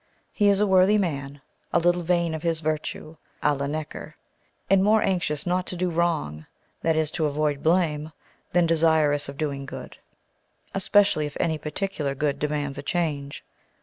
He is a worthy man, a little vain of his virtue à la Necker; and more anxious not to do wrong, that is to avoid blame, than desirous of doing good; especially if any particular good demands a change.